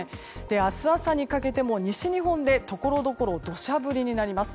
明日朝にかけても西日本でところどころ土砂降りになります。